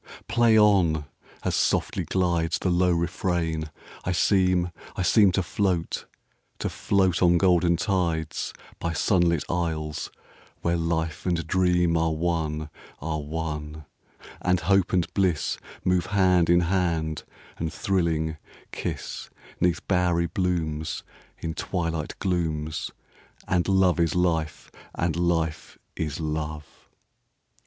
Play on! As softly glidesThe low refrain, I seem, I seemTo float, to float on golden tides, By sunlit isles, where life and dreamAre one, are one; and hope and blissMove hand in hand, and thrilling, kiss'Neath bowery blooms, In twilight glooms, And love is life, and life is love.